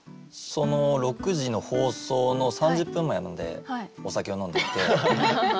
その６時の放送の３０分前までお酒を飲んでいて。